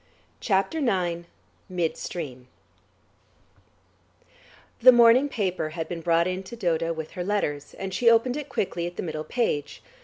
CHAPTER IX MID STREAM The morning paper had been brought in to Dodo with her letters, and she opened it quickly at the middle page.